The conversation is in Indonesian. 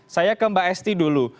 saya ke mbak esti dulu